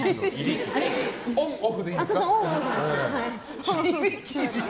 オン、オフでいいですか？